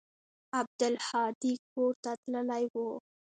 عبدالهادي کور ته تللى و.